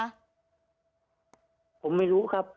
ผมไม่รู้ครับ